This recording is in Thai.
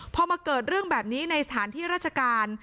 พอมาเกิดเรื่องแบบนี้ในสถานที่ราชการ